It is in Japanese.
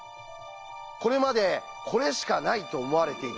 これまで「これしかない」と思われていた